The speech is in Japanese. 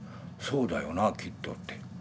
そうだよなきっとって。